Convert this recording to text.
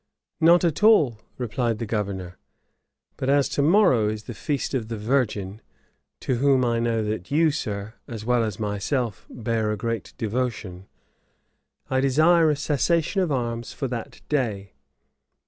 "Not at all," replied the governor: "but as to morrow is the feast of the Virgin, to whom I know that you, sir, as well as myself, bear a great devotion, I desire a cessation of arms for that day."